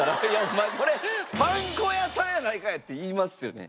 これパン粉屋さんやないかい！って言いますよね？